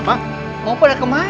saya substances biasa